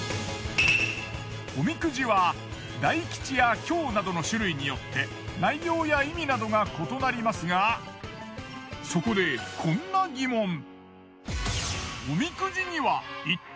おみくじは大吉や凶などの種類によって内容や意味などが異なりますがそこでこんな疑問。